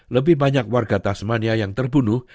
lebih banyak warga tasmania yang terbunuh